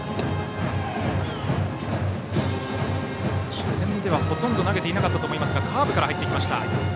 初戦ではほとんど投げていなかったと思いますがカーブから入っていきました。